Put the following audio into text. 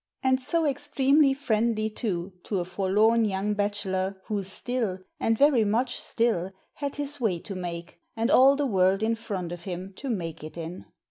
And so extremely friendly, too, to a forlorn young bachelor, who still— and very much still — had his way to make, and all the world in front of him to make it in.